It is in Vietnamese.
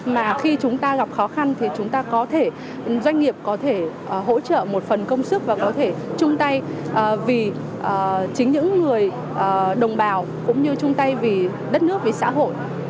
mà khi chúng ta gặp khó khăn thì chúng ta có thể doanh nghiệp có thể hỗ trợ một phần công sức và có thể chung tay vì chính những người đồng bào cũng như chung tay vì đất nước vì xã hội